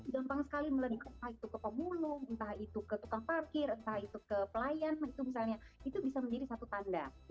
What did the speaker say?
gampang sekali meledak entah itu ke pemulung entah itu ke tukang parkir entah itu ke pelayan misalnya itu bisa menjadi satu tanda